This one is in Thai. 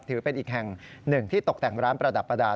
ถือเป็นอีกแห่งหนึ่งที่ตกแต่งร้านประดับประดาษ